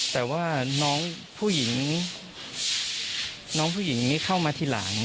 แต่ว่าน้องผู้หญิงนี้เข้ามาทีหลัง